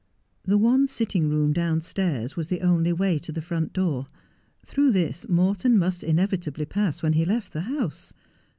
The one sitting room downstairs was the only way to the front door. Through this Morton must inevitably pass when he left the house.